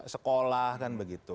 sekolah dan begitu